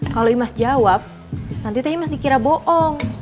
kalau imas jawab nanti teh imas dikira bohong